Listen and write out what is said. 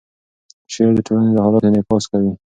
شعر د ټولنې د حالاتو انعکاس کوي.